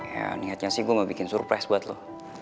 ya niatnya sih gue mau bikin surprise buat lo